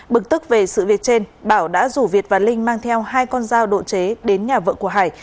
bực tức về sự việc trên bảo đã rủ việt và linh mang theo hai con dao độ chế đến nhà vợ của hải